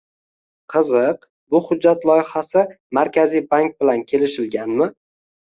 Qiziq, bu hujjat loyihasi Markaziy bank bilan kelishilganmi?